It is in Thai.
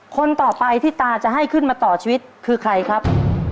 คนต่อไปที่ตาจะให้ขึ้นมาต่อชีวิตคือใครครับ